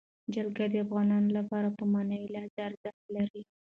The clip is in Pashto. جلګه د افغانانو لپاره په معنوي لحاظ ارزښت لري.